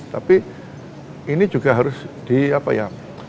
tapi ini juga harus di apa ya